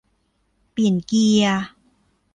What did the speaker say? เปลี่ยนเกียร์